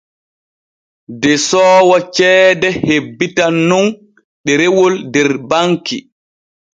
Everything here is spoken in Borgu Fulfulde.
Desoowo ceede hebbitan nun ɗerewol der banki.